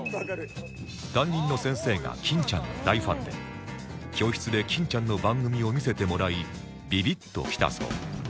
担任の先生が欽ちゃんの大ファンで教室で欽ちゃんの番組を見せてもらいビビッときたそう